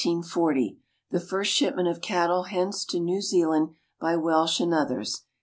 The first shipment of cattle hence to New Zealand by Welsh and others.